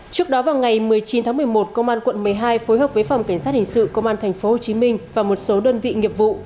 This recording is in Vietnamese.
trước đó vào ngày một mươi chín tháng một mươi một công an quận một mươi hai phối hợp với phòng cảnh sát hình sự công an tp hcm và một số đơn vị nghiệp vụ